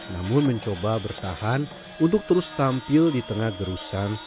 namun mencoba bertahan untuk terus tampil di tengah gerusan